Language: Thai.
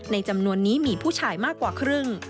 จำนวนนี้มีผู้ชายมากกว่าครึ่ง